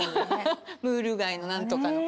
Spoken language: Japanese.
ムール貝の何とかの。